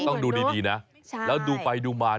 ต้องดูดีนะแล้วดูไปดูมา